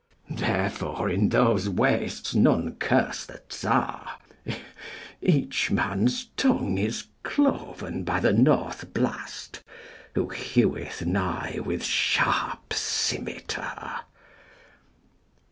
Therefore, in those wastesNone curse the Czar.Each man's tongue is cloven byThe North Blast, who heweth nighWith sharp scymitar.